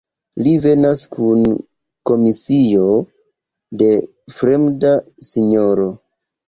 Li venas kun komisio de fremda sinjoro.